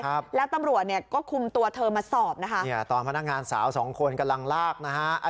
ครับแล้วตำรวจเนี่ยก็คุมตัวเธอมาสอบนะคะเนี่ยตอนพนักงานสาวสองคนกำลังลากนะฮะ